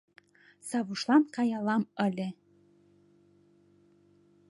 Савушлан каялам ыле.